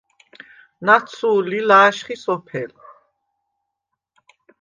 ნაცუ̄ლ ლი ლა̄შხი სოფელ.